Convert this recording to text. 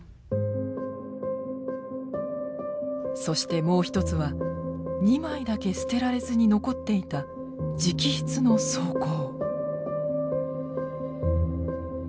そしてもう一つは２枚だけ捨てられずに残っていた直筆の草稿。